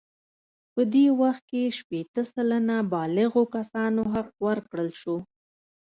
په دې وخت کې شپیته سلنه بالغو کسانو حق ورکړل شو.